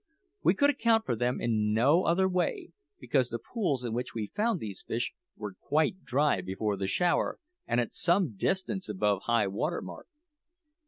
We could account for them in no other way, because the pools in which we found these fish were quite dry before the shower, and at some distance above high water mark.